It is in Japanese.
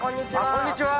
こんにちは。